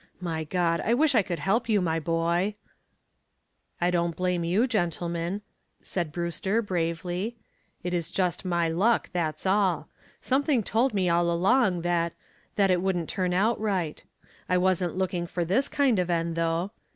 My God, I wish I could help you, my boy." "I don't blame you, gentlemen," said Brewster, bravely. "It's just my luck, that's all. Something told me all along that that it wouldn't turn out right. I wasn't looking for this kind of end, though.